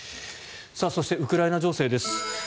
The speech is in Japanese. そして、ウクライナ情勢です。